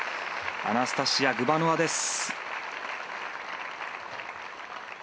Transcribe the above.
アナスタシヤ・グバノワです。